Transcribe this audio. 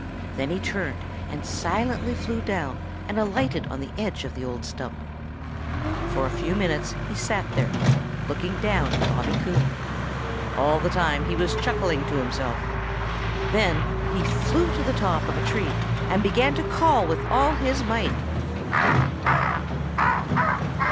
Then he turned and silently flew down and alighted on the edge of the old stump. For a few minutes he sat there, looking down at Bobby Coon. All the time he was chuckling to himself. Then he flew to the top of a tree and began to call with all his might.